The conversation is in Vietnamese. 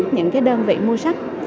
những đơn vị mua sách